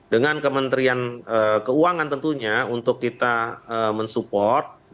dengan kementerian keuangan tentunya untuk kita mensupport